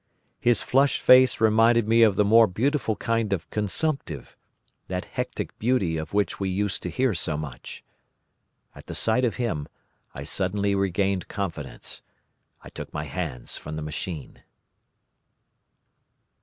His flushed face reminded me of the more beautiful kind of consumptive—that hectic beauty of which we used to hear so much. At the sight of him I suddenly regained confidence. I took my hands from the machine.